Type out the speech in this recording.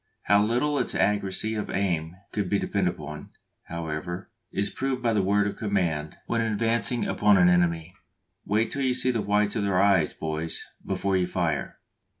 How little its accuracy of aim could be depended upon, however, is proved by the word of command when advancing upon an enemy, "Wait till you see the whites of their eyes, boys, before you fire!"